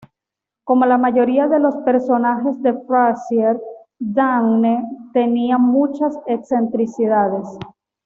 Como la mayoría de los personajes de "Frasier", Daphne tiene muchas excentricidades.